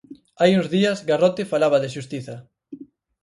Hai uns días Garrote falaba de xustiza.